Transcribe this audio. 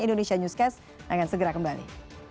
indonesia newscast akan segera kembali